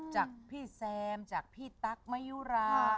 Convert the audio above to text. จากพี่แซมจากพี่ตั๊กมะยุรา